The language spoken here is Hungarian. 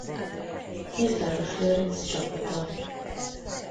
Mészáros Lőrinc csapata.